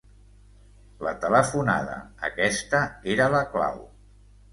La telefonada, aquesta era la clau!